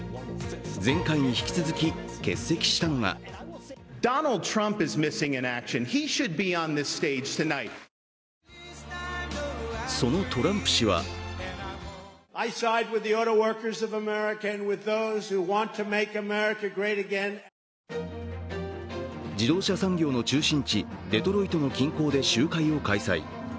前回に引き続き、欠席したのがそのトランプ氏は自動車産業の中心地・デトロイトの近郊で集会を開催。